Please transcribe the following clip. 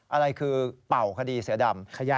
อะไรคือเป่าคดีเสือดำ